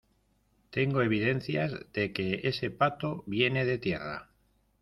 tengo evidencias de que ese pato viene de tierra.